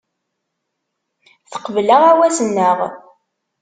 Teqbel aɣawas-nneɣ.